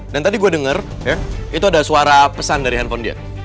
dan tadi gue denger ya itu ada suara pesan dari handphone dia